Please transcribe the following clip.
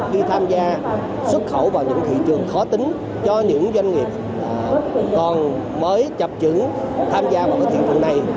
khi tham gia xuất khẩu vào những thị trường khó tính cho những doanh nghiệp còn mới chập chứng tham gia vào cái thị phần này